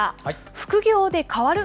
副業で変わる？